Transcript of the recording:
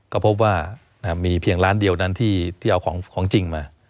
ก็พบว่ามีเพียงร้านเดียวนั้นที่เอาของจริงมา